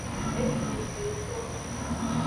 Ejiji ngto.